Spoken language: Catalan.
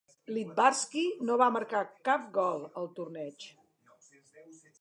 Littbarski no va marcar cap gol al torneig.